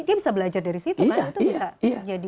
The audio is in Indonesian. dia bisa belajar dari situ